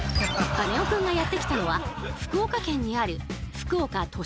カネオくんがやって来たのは福岡県にある福岡都市高速。